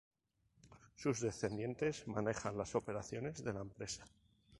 Sus descendientes manejan las operaciones de la empresa.